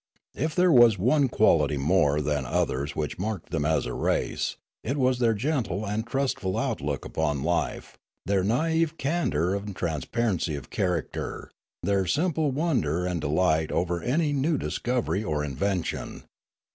If there was one quality more than others which marked them as a race, it was their gentle and trustful outlook upon life, their naive candour and transparency of character, their simple wonder and delight over any new discovery or invention.